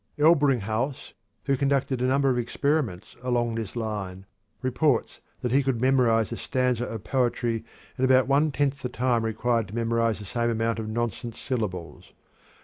Elbringhaus, who conducted a number of experiments along this line, reports that he could memorize a stanza of poetry in about one tenth the time required to memorize the same amount of nonsense syllables.